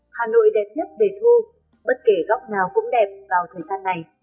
hà nội đẹp nhất về thu bất kể góc nào cũng đẹp vào thời gian này